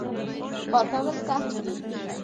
کار کول سخت دي.